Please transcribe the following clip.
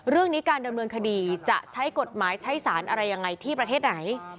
เรื่องนี้การดำเนินคดีจะใช้กฎหมายใช้สารอะไรยังไงที่ประเทศไหน